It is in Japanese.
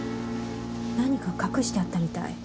何か隠してあったみたい。